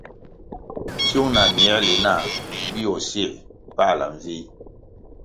Tsiung na mierli nah bio sier pahla mvih.